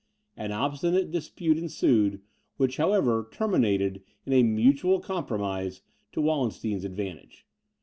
An obstinate dispute ensued, which, however, terminated in a mutual compromise to Wallenstein's advantage.